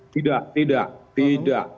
tidak tidak tidak